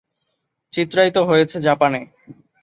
চিত্রায়িত হয়েছে জাপানে।